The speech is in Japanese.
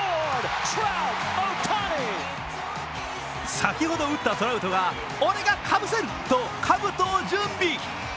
先ほど打ったトラウトが、「俺がかぶせる」とかぶとを準備。